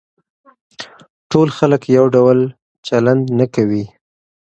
ټول خلک يو ډول نه چلن کوي.